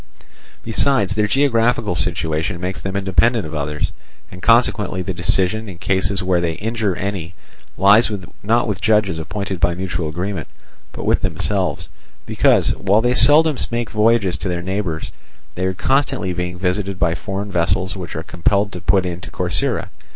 Besides, their geographical situation makes them independent of others, and consequently the decision in cases where they injure any lies not with judges appointed by mutual agreement, but with themselves, because, while they seldom make voyages to their neighbours, they are constantly being visited by foreign vessels which are compelled to put in to Corcyra.